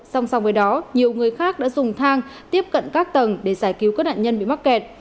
song song với đó nhiều người khác đã dùng thang tiếp cận các tầng để giải cứu các nạn nhân bị mắc kẹt